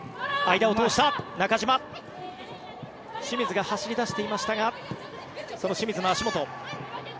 清水が走り出していましたがその清水の足元。